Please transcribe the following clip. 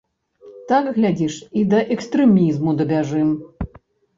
Так, глядзіш, і да экстрэмізму дабяжым.